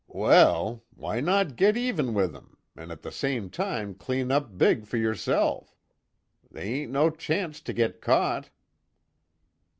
"Well why not git even with him, an' at the same time clean up big fer yerself? They ain't no chanct to git caught."